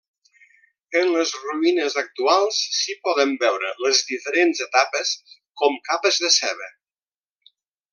En les ruïnes actuals s'hi poden veure les diferents etapes, com capes de ceba.